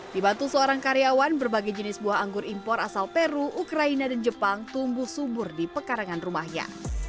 dibantu seorang karyawan berbagai jenis buah anggur impor asal peru ukraina dan jepang tumbuh subur di pekarangan rumahnya